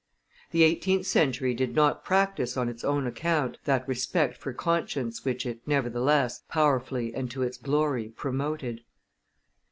The eighteenth century did not practise on its own account that respect for conscience which it, nevertheless, powerfully and to its glory promoted.